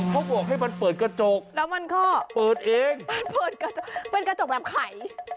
เขาบอกให้มันเปิดกระจกแล้วมันก็เปิดเองเปิดกระจกเป็นกระจกแบบไข